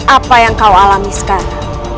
apa yang kau alami sekarang